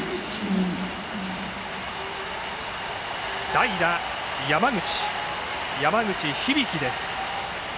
代打、山口響です。